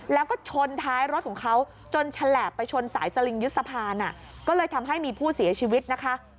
แล้วก็ชนท้ายรถของเขาจนฉลาบไปชนสายสลิงยึดสะพานก็เลยทำให้มีผู้เสียชีวิตนะคะ